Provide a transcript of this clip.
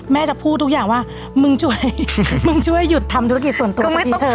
จะพูดทุกอย่างว่ามึงช่วยมึงช่วยหยุดทำธุรกิจส่วนตัวเมื่อกี้เธอ